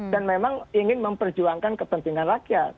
dan memang ingin memperjuangkan kepentingan rakyat